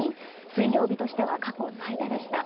水曜日としては過去最多でした。